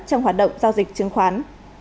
trong hoạt động giao dịch chứng khoán